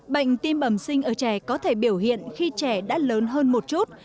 bệnh tim bẩm sinh ở trẻ có thể biểu hiện khi trẻ đã lớn hơn một chút